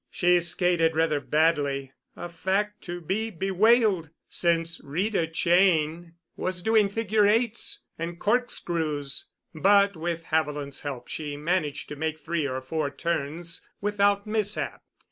She skated rather badly—a fact to be bewailed, since Rita Cheyne was doing "figure eights" and "corkscrews," but with Haviland's help she managed to make three or four turns without mishap.